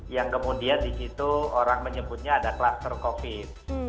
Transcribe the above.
yang kemudian di situ orang menyebutnya ada kluster covid